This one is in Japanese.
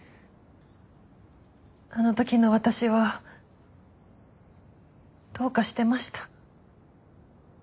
あの時の私はどうかしてました。